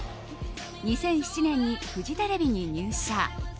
２００７年にフジテレビに入社。